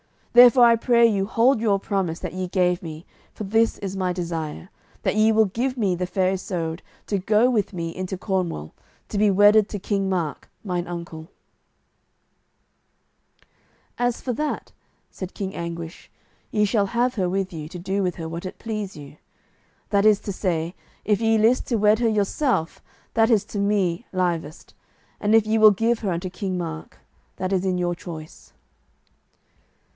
Therefore I pray you hold your promise that ye gave me, for this is my desire, that ye will give me the Fair Isoud to go with me into Cornwall, to be wedded to King Mark, mine uncle." [Illustration: Sir Tristram and the Fair Isoud] "As for that," said King Anguish, "ye shall have her with you, to do with her what it please you; that is to say, if ye list to wed her yourself, that is to me lievest; and if ye will give her unto King Mark, that is in your choice."